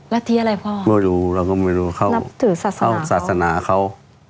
รัฐิอะไรพ่อไม่รู้เราก็ไม่รู้เขาหรือศาสนาเขาเขาศาสนาเขา